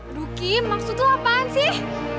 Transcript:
aduh kim maksud lo apaan sih